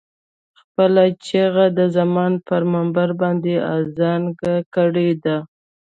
خپله چيغه د زمان پر منبر باندې اذانګه کړې ده.